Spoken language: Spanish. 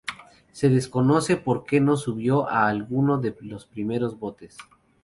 Se desconoce por que no subió a alguno de los primeros botes.